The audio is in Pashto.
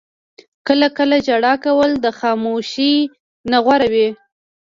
• کله کله ژړا کول د خاموشۍ نه غوره وي.